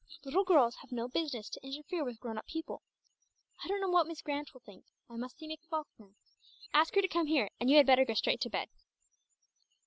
"Little girls have no business to interfere with grown up people. I don't know what Miss Grant will think; I must see Miss Falkner. Ask her to come here, and you had better go straight to bed."